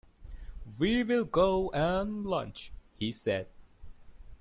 "We will go and lunch," he said.